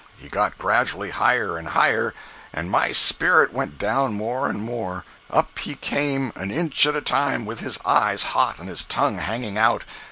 He got gradually higher and higher, and my spirits went down more and more. Up he came—an inch at a time—with his eyes hot, and his tongue hanging out.